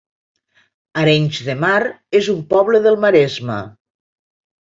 Arenys de Mar es un poble del Maresme